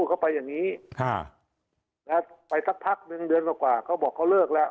เข้าบอกว่าเค้าเลือกล่ะ